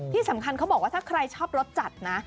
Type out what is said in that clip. ที่สำคัญเขาบอกว่าถ้าใครชอบรสจัดนะ